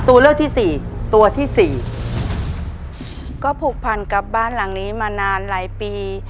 ตัวเลือกที่สี่ตัวที่สี่ก็ผูกพันกับบ้านหลังนี้มานานหลายปี